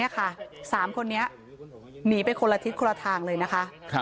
๓คนนี้หนีไปคนละทิศคนละทางเลยนะคะ